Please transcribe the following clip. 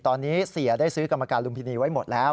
ตอนนี้เสียได้ซื้อกรรมการลุมพินีไว้หมดแล้ว